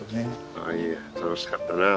ああいやいや楽しかったなあ